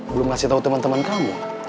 belum ngasih tau temen temen kamu